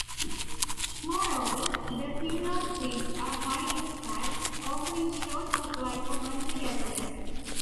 Moreover, the pinyon seeds are high in fat, often in short supply for hunter-gatherers.